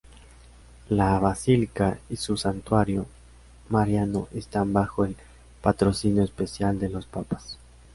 La basílica y su santuario mariano están bajo el patrocinio especial de los papas.